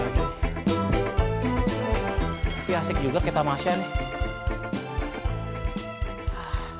tapi asik juga kita masya nih